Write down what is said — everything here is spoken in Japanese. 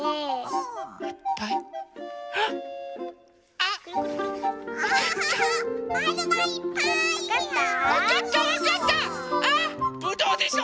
あっぶどうでしょ！